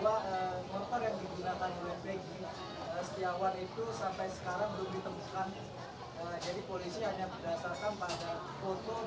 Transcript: bahwa motor yang digunakan oleh peggy setiawan itu sampai sekarang belum ditemukan